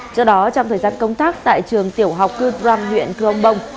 trước đó trong thời gian công tác tại trường tiểu học cư đram huyện cronbong